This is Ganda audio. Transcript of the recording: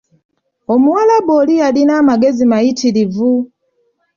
Omuwarabu oli yalina amagezi mayitirivu